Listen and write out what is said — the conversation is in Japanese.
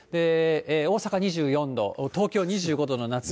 大阪２４度、東京２５度の夏日。